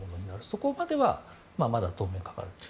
そこまではまだ当分かかると。